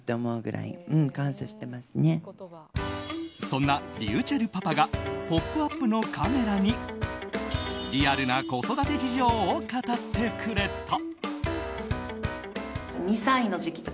そんなｒｙｕｃｈｅｌｌパパが「ポップＵＰ！」のカメラにリアルな子育て事情を語ってくれた。